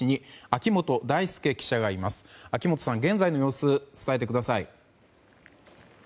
秋本さん、現在の様子を伝えてください。